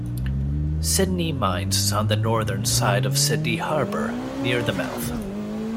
Sydney Mines is on the northern side of Sydney Harbor, near the mouth.